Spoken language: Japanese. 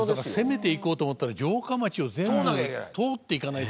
攻めていこうと思ったら城下町を全部通っていかないといけないので。